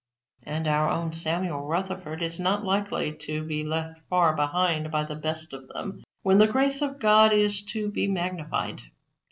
And our own Samuel Rutherford is not likely to be left far behind by the best of them when the grace of God is to be magnified.